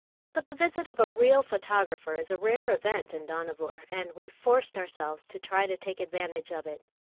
But the visit of a real photographer is a rare event in Dohnavur, and we forced ourselves to try to take advantage of it.